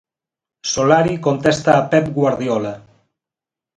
Solari contesta a Pep Guardiola.